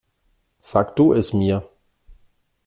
Sag du es mir.